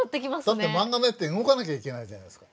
だってマンガの絵って動かなきゃいけないじゃないですか。